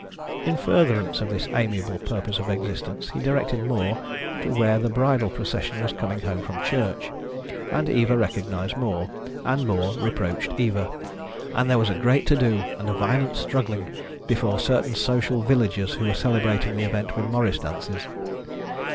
In furtherance of this amiable pur pose of existence, he directed More to where the bridal pro cession was coming home from church, and Eva recognized More, and More reproached Eva, and there was a great to do, and a violent struggling, before certaia social villagers who were celebrating the event with morris dances.